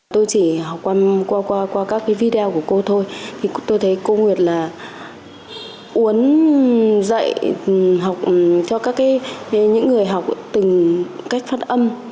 tôi chỉ học qua các video của cô thôi tôi thấy cô nguyệt là uốn dạy cho những người học từng cách phát âm